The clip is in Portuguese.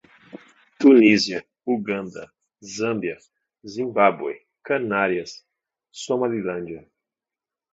Tunísia, Uganda, Zâmbia, Zimbábue, Canárias, Somalilândia